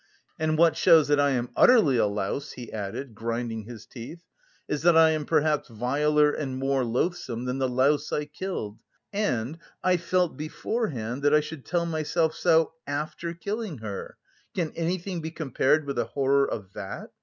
And what shows that I am utterly a louse," he added, grinding his teeth, "is that I am perhaps viler and more loathsome than the louse I killed, and I felt beforehand that I should tell myself so after killing her. Can anything be compared with the horror of that?